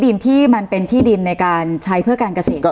ยังไม่ได้รวมถึงกรณีว่าคุณปรินาจะได้ที่ดินเพื่อการเกษตรหรือเปล่า